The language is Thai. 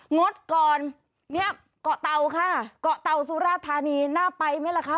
งดก่อนเนี่ยเกาะเตาค่ะเกาะเตาสุราธานีน่าไปไหมล่ะคะ